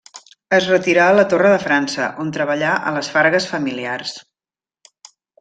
Es retirà a la Torre de França, on treballà a les fargues familiars.